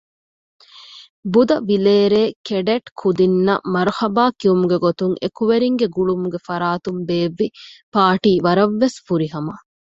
ބުދަވިލޭރޭ ކެޑެޓް ކުދިންނަށް މަރުޙަބާ ކިޔުމުގެ ގޮތުން އެކުވެރިންގެ ގުޅުމުގެ ފަރާތުން ބޭއްވި ޕާރޓީ ވަރަށް ވެސް ފުރިހަމަ